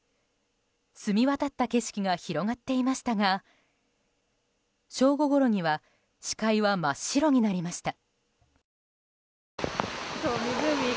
澄み渡った景色が広がっていましたが正午ごろには視界は真っ白になりました。